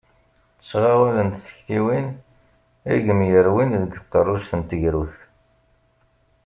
Ttɣawalent tektiwin i yemyerwin deg tqerruct n tegrudt.